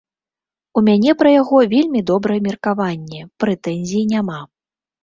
У мяне пра яго вельмі добрае меркаванне, прэтэнзій няма.